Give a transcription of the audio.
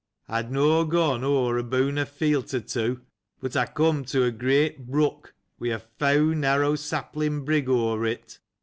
I had not gone over above a field, or two, but I came to a great brook, with a foul, narrow sapling bridge over it.